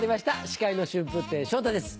司会の春風亭昇太です。